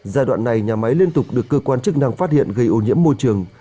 giai đoạn này nhà máy liên tục được cơ quan chức năng phát hiện gây ô nhiễm môi trường